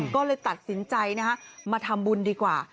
ก็เลยตัดสินใจนะฮะมาทำบุญดีกว่า